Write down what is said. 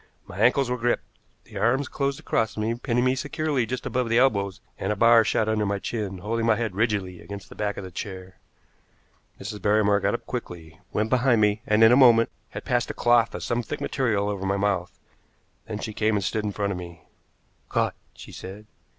My ankles were gripped, the arms closed across me, pinning me securely just above the elbows, and a bar shot under my chin, holding my head rigidly against the back of the chair. Mrs. Barrymore got up quickly, went behind me, and, in a moment, had passed a cloth of some thick material over my mouth. Then she came and stood in front of me. "Caught!" she said.